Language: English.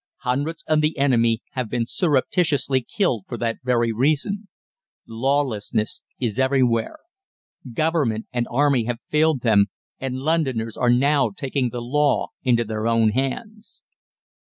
Hundreds of the enemy have been surreptitiously killed for that very reason. Lawlessness is everywhere, Government and Army have failed them, and Londoners are now taking the law into their own hands.